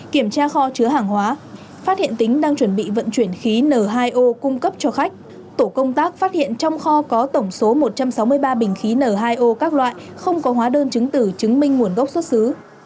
kiểm tra kho chứa hàng hóa phát hiện tính đang chuẩn bị vận chuyển khí n hai o cung cấp cho khách tổ công tác phát hiện trong kho có tổng số một trăm sáu mươi ba bình khí n hai o các loại không có hóa đơn chứng tử chứng minh nguồn gốc xuất xứ